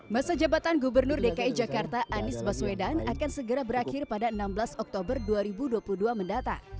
masa jabatan gubernur dki jakarta anies baswedan akan segera berakhir pada enam belas oktober dua ribu dua puluh dua mendatang